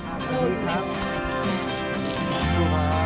ขอบคุณครับ